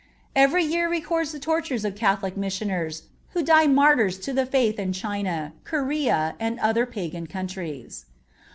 Every year records the tortures of Catholic missioners who die Martyrs to the Faith in China, Corea, and other Pagan countries.